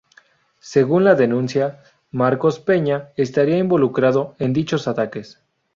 Según la denuncia Marcos Peña estaría involucrado en dichos ataques.